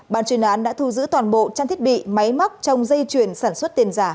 ban chuyên án đã thu giữ toàn bộ trang thiết bị máy móc trong dây chuyển sản xuất tiền giả